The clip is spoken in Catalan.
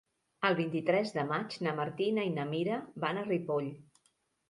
El vint-i-tres de maig na Martina i na Mira van a Ripoll.